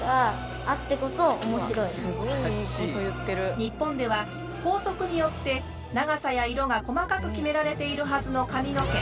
日本では校則によって長さや色が細かく決められているはずの髪の毛。